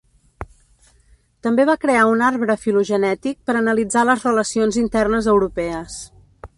També va crear un arbre filogenètic per analitzar les relacions internes europees.